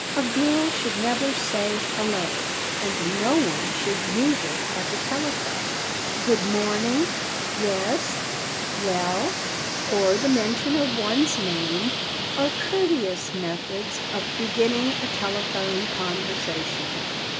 A girl should never say "hello," and no one should use it at the telephone. "Good morning," "yes," "well" or the mention of one's name are courteous methods of beginning a telephone conversation.